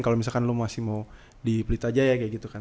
kalau misalkan lo masih mau dipelit aja ya kayak gitu kan